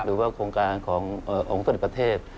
หรือว่าโครงการขององค์เสด็จประเทศ